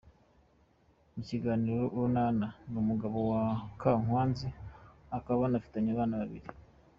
Mu Ikinamico Urunana ni umugabo wa Kankwanzi bakaba banafitanye abana babiri.